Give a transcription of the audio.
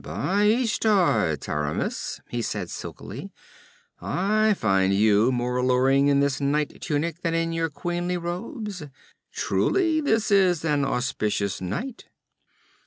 'By Ishtar, Taramis,' he said silkily, 'I find you more alluring in your night tunic than in your queenly robes. Truly, this is an auspicious night!'